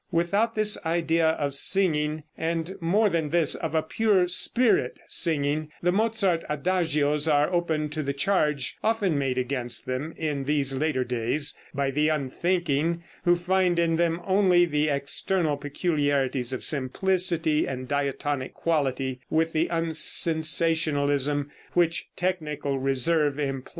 Without this idea of singing, and more than this, of a pure spirit singing, the Mozart adagios are open to the charge often made against them in these later days by the unthinking, who find in them only the external peculiarities of simplicity and diatonic quality, with the unsensationalism which technical reserve implies.